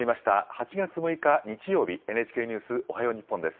８月６日日曜日、ＮＨＫニュースおはよう日本です。